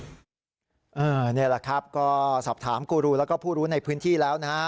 นี่แหละครับก็สอบถามกูรูแล้วก็ผู้รู้ในพื้นที่แล้วนะฮะ